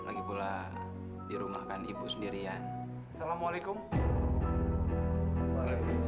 lagipula kan aku sama nanda bisa bantuin kakak cari uang